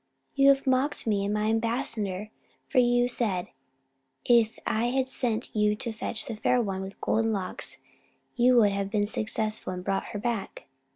"You have mocked me and my ambassador; for you said, if I had sent you to fetch the Fair One with Golden Locks, you would have been successful and brought her back."